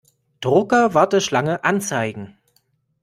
Drucker-Warteschlange anzeigen.